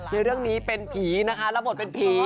ในเรื่องนี้เป็นผีนะคะรับบทเป็นผี